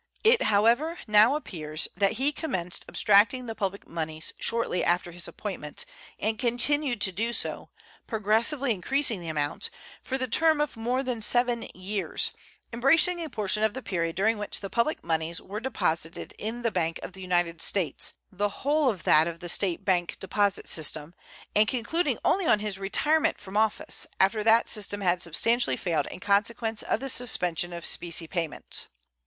It, however, now appears that he commenced abstracting the public moneys shortly after his appointment and continued to do so, progressively increasing the amount, for the term of more than seven years, embracing a portion of the period during which the public moneys were deposited in the Bank of the United States, the whole of that of the State bank deposit system, and concluding only on his retirement from office, after that system had substantially failed in consequence of the suspension of specie payments.